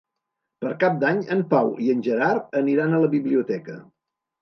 Per Cap d'Any en Pau i en Gerard aniran a la biblioteca.